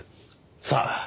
さあ。